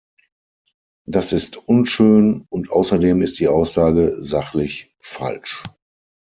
Das ist unschön, und außerdem ist die Aussage sachlich falsch.